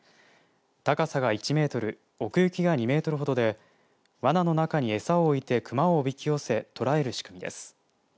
高さが１メートル、奥行きが２メートルほどでわなの中に餌を置いてクマをおびき寄せ捕らえる仕組みです。